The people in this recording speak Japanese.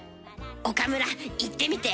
岡村言ってみて。